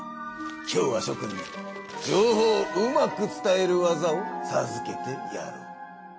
今日はしょ君に情報をうまく伝える技をさずけてやろう。